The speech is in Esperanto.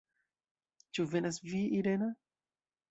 Ĉu venas vi, Irena?